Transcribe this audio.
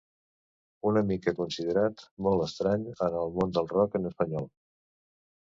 Una mica considerat molt estrany en el món del rock en espanyol.